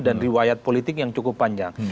dan riwayat politik yang cukup panjang